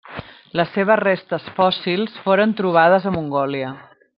Les seves restes fòssils foren trobades a Mongòlia.